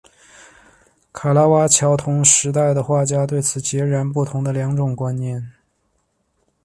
卡拉瓦乔同时代的画家对此持截然不同的两种观点。